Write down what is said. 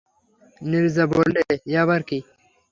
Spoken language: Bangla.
নীরজা বললে, এ আবার কী।